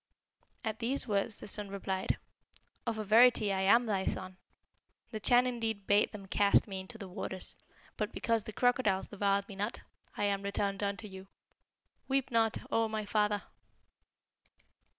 At these words the son replied, 'Of a verity I am thy son. The Chan indeed bade them cast me into the waters; but because the crocodiles devoured me not, I am returned unto you. Weep not, O my father!'